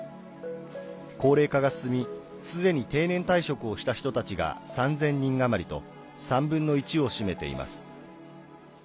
高齢化が進みすでに定年退職をした人たちが３０００人余りと３分の１を占めています。